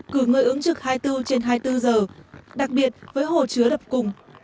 cử người ứng trực hai mươi bốn trên hai mươi bốn giờ đặc biệt với hồ chứa đập cùng